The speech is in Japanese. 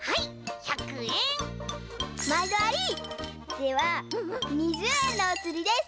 では２０えんのおつりです。